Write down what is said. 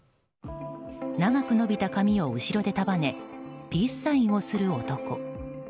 長く伸びた髪を後ろで束ねピースサインをする男。